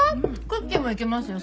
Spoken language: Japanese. クッキーもいけますよ